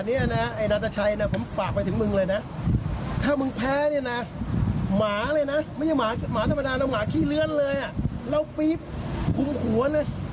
ไม่ใช่หมาหมาธรรมดาแต่หมาขี้เลือนเลยอ่ะแล้วปี๊บคุมหัวเนี่ย